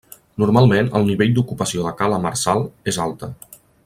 Normalment el nivell d'ocupació de Cala Marçal és alta.